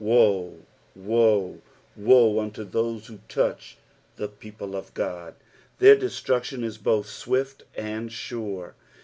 Woe, woe, woe, unto those vlio touch tlie people of Ood ; their destruction is both swift and sure.